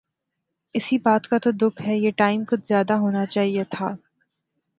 اسی بات کا تو دکھ ہے۔ یہ ٹائم کچھ زیادہ ہونا چاہئے تھا